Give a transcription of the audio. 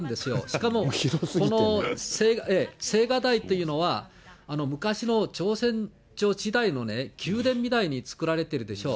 しかも、青瓦台というのは、昔の朝鮮時代の宮殿みたいに作られてるでしょ。